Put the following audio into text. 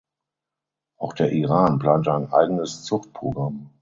Auch der Iran plant ein eigenes Zuchtprogramm.